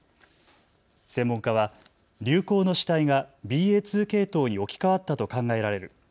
専門家は流行の主体がＢＡ．２系統に置き換わったと考えられる。